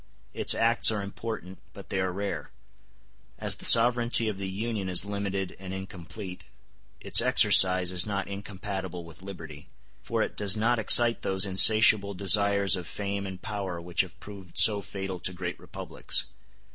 Its acts are important, but they are rare. As the sovereignty of the Union is limited and incomplete, its exercise is not incompatible with liberty; for it does not excite those insatiable desires of fame and power which have proved so fatal to great republics.